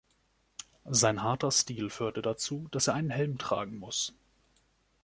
Sein harter Stil führte dazu, dass er einen Helm tragen muss.